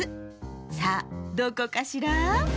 さあどこかしら？